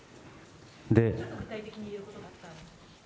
具体的に言えることがあったら。